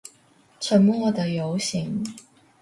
沉默的遊行